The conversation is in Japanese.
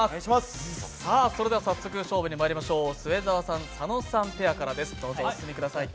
早速勝負にまいりましょう、末澤さん、佐野さんペアからです。